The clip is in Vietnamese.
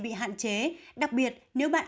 bị hạn chế đặc biệt nếu bạn